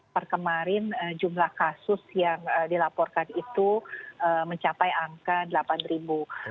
per kemarin jumlah kasus yang dilaporkan itu mencapai angka delapan ribu